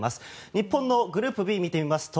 日本のグループＢを見てみますと